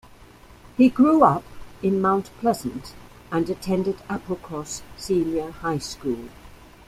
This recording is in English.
He grew up in Mount Pleasant and attended Applecross Senior High School.